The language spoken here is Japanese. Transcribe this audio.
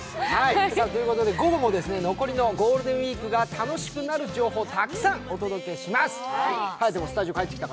午後も残りのゴールデンウイークが楽しくなる情報をお届けします。